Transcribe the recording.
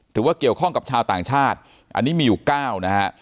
ถือว่าเกี่ยวข้องกับชาวต่างชาติอันนี้มีอยู่๙นะฮะ